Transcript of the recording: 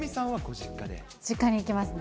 実家に行きますね。